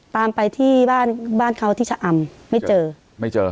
ตามไปที่บ้านเขาที่ชะอำ